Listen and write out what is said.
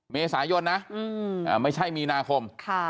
เมษายนนะไม่ใช่มีนาคม